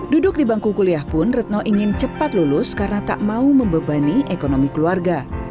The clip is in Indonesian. duduk di bangku kuliah pun retno ingin cepat lulus karena tak mau membebani ekonomi keluarga